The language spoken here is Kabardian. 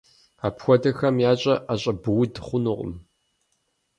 Апхуэдэхэм ящӏэр ӏэщӏэбууд хъунукъым.